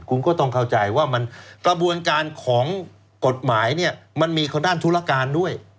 คุณก็ต้องเข้าใจว่าประบวนการของกฎหมายมันมีข้อหน้านธุรการด้วย